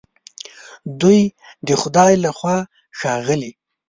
دوی د خدای له خوا ښاغلي